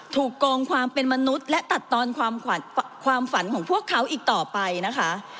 โกงความเป็นมนุษย์และตัดตอนความฝันของพวกเขาอีกต่อไปนะคะ